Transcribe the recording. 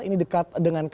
ini dekat dengan rumah